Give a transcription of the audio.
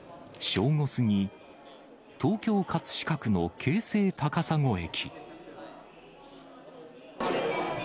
正午過ぎ、東京・葛飾区の京成高砂駅。